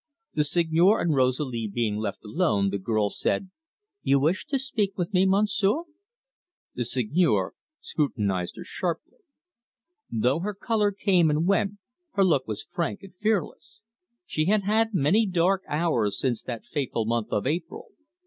The Seigneur and Rosalie being left alone, the girl said: "You wish to speak with me, Monsieur?" The Seigneur scrutinised her sharply. Though her colour came and went, her look was frank and fearless. She had had many dark hours since that fateful month of April.